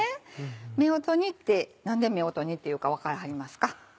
夫婦煮って何で夫婦煮って言うか分からはりますか？